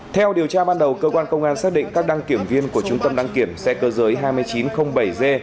theo điều tra ban đầu cơ quan công an xác định các đăng kiểm viên của trung tâm đăng kiểm xe cơ giới hai nghìn chín trăm linh bảy g